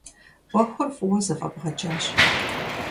Ӏуэхур фӏыуэ зэфӏэбгъэкӏащ.